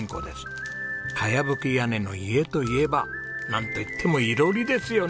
茅葺き屋根の家といえばなんといっても囲炉裏ですよね